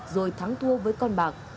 rồi thắng thua với con bạc